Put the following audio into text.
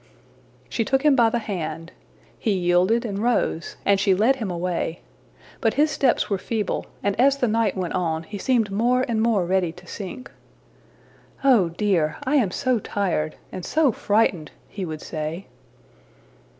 '' She took him by the hand. He yielded and rose, and she led him away. But his steps were feeble, and as the night went on, he seemed more and more ready to sink. ``Oh dear! I am so tired! and so frightened!'' he would say.